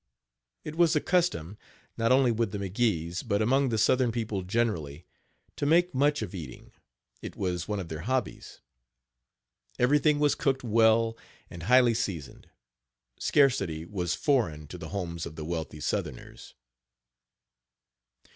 It was a custom, not only with the McGees but among the southern people generally, to make much of eating it was one of their hobbies. Everything was cooked well, and highly seasoned. Scarcity was foreign to the homes of the wealthy southerners.